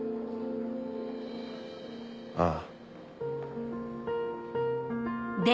ああ。